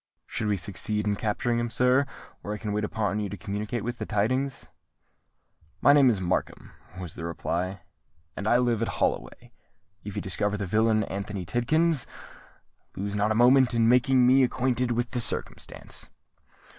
"Should we succeed in capturing him, sir, where can I wait upon you to communicate the tidings?" "My name is Markham," was the reply, "and I live at Holloway. If you discover the villain Anthony Tidkins, lose not a moment in making me acquainted with the circumstance."